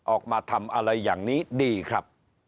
ออกมาทำอะไรอย่างนี้ดีครับ